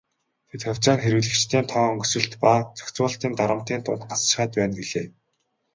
Тэд "хувьцаа нь хэрэглэгчдийн тоон өсөлт ба зохицуулалтын дарамтын дунд гацчихаад байна" гэлээ.